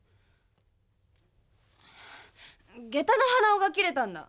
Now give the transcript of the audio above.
下駄の鼻緒が切れたんだ。